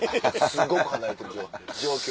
すごく離れてる状況。